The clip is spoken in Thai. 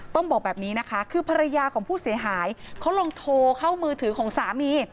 ต้องบอกแบบนี้นะคะคือภรรยาของผู้เสียหายเขาลองโทรเข้ามือถือของสามี